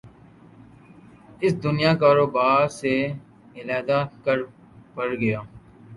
اس دنیا کاروبار سے علیحدہ کر پڑ گا